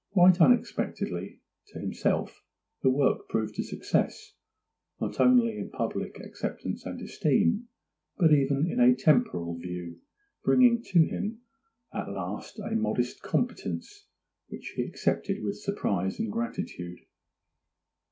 Quite unexpectedly to himself the work proved a success, not only in public acceptance and esteem, but even in a temporal view, bringing to him at last a modest competence, which he accepted with surprise and gratitude.